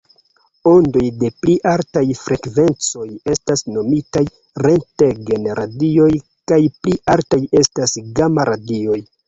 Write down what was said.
Ondoj de pli altaj frekvencoj estas nomitaj rentgen-radioj kaj pli altaj estas gama-radioj.